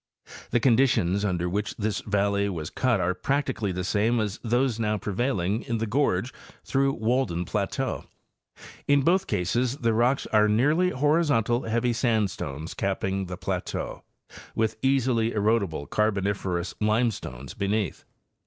The conditions under which this valley was cut are practically the same as those now pre vailing in the gorge through Walden plateau. In both cases the rocks are nearly horizontal, heavy sandstones capping the plateau, with easily erodible Carboniferous limestones beneath.